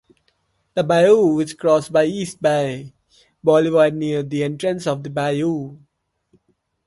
The bayou is crossed by East Bay Boulevard near the entrance of the bayou.